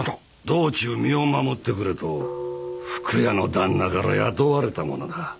道中身を守ってくれと福屋の旦那から雇われた者だ。